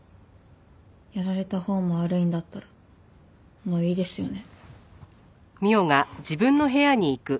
やられたほうも悪いんだったらもういいですよね。